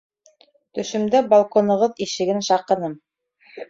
Төштөм дә балконығыҙ ишеген шаҡыным.